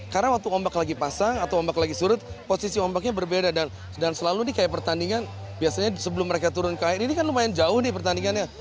karena waktu ombak lagi pasang atau ombak lagi surut posisi ombaknya berbeda dan selalu ini kayak pertandingan biasanya sebelum mereka turun ke air ini kan lumayan jauh nih pertandingannya